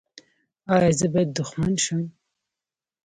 ایا زه باید دښمن شم؟